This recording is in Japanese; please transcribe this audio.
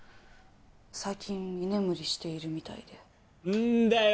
最近居眠りしているみたいでんだよ